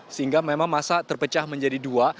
sehingga memang masa terpecah menjadi dua